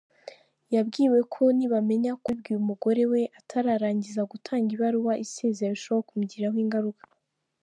Yabwiwe ko nibamenya ko yabibwiye umugore we atararangiza gutanga ibaruwa isezera bishobora kumugiraho ingaruka.